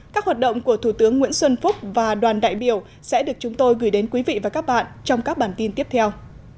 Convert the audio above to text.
các hoạt động của thủ tướng nguyễn xuân phúc và đoàn đại biểu sẽ được chúng tôi gửi đến quý vị và các bạn trong các bản tin tiếp theo